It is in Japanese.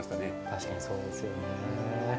確かにそうですよね。